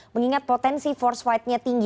mengingat potensi force fight nya tinggi